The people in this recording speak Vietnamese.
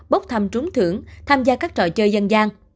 bốc thăm trúng thưởng tham gia các trò chơi dân gian